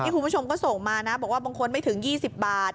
คุณผู้ชมก็ส่งมานะบอกว่าบางคนไม่ถึง๒๐บาท